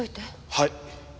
はい。